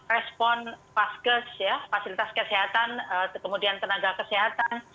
respon paskes fasilitas kesehatan kemudian tenaga kesehatan